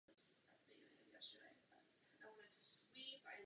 Všichni nasazení hráči měli volný los do druhého kola.